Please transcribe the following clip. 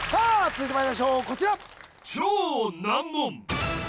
続いてまいりましょうこちら